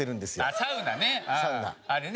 サウナね。